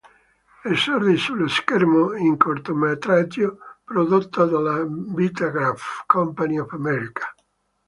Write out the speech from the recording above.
Esordì sullo schermo in un cortometraggio prodotto dalla Vitagraph Company of America.